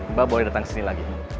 mbak boleh datang ke sini lagi